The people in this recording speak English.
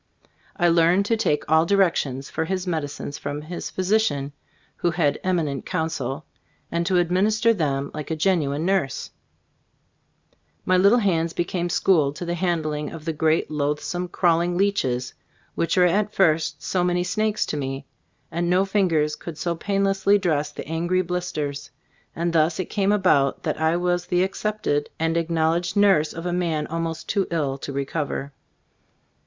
I learned to take all directions for his medicines from his physician (who had eminent counsel) and to admin ister them like a genuine nurse. 8s Gbe Storg of Ag Gbfftbood My little hands became schooled to the handling of the great, loathsome, crawling leeches which were at first so many snakes to me, and no fingers could so painlessly dress the angry blisters; and thus it came about, that I was the accepted and acknowledged nurse of a man almost too ill to re cover.